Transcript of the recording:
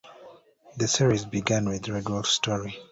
The series began with a Red Wolf story.